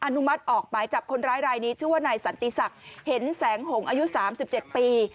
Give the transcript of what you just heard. อนุมัติออกหมายจับคนร้ายรายนี้ชื่อว่านายสันติศักดิ์เห็นแสงหงอายุ๓๗ปี